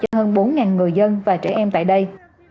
cho hơn bốn người dân và trẻ em tại đây